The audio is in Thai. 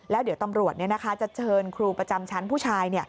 แล้วเดี๋ยวตำรวจจะเชิญครูประจำชั้นผู้ชาย